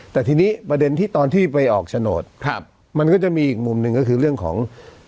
แต่ทีนี้ประเด็นที่ตอนที่ไปออกโฉนดครับมันก็จะมีอีกมุมหนึ่งก็คือเรื่องของ